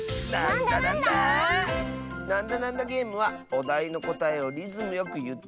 「なんだなんだゲーム」はおだいのこたえをリズムよくいっていくゲーム。